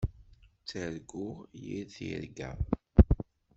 Ttarguɣ yir tirga.